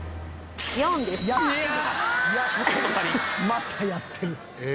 またやってる。